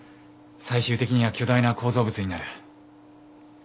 最終的には巨大な構造物になる。